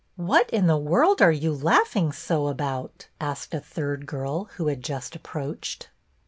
" What in the world are you laughing so about.'*" asked a third girl who had just approached.